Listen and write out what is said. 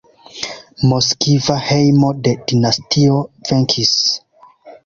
Moskva hejmo de dinastio venkis.